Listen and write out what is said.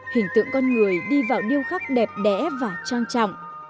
hình tượng con người đi vào điêu khắc đẹp đẽ và trang trọng